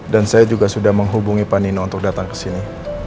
dan saya juga sudah menghubungi pak nino untuk datang ke sini